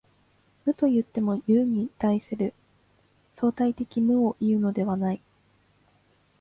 無といっても、有に対する相対的無をいうのではない。